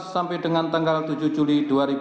sampai dengan tujuh juli dua ribu enam belas